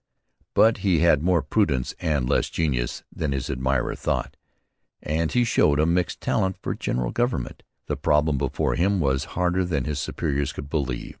But he had more prudence and less genius than his admirer thought; and he showed a marked talent for general government. The problem before him was harder than his superiors could believe.